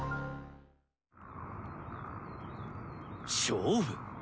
勝負？